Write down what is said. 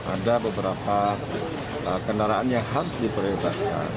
ada beberapa kendaraan yang harus diprioritaskan